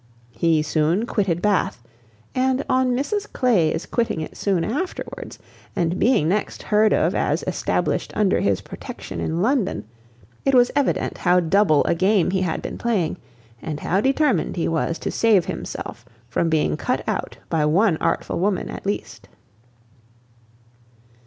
He soon quitted Bath; and on Mrs Clay's quitting it soon afterwards, and being next heard of as established under his protection in London, it was evident how double a game he had been playing, and how determined he was to save himself from being cut out by one artful woman, at least.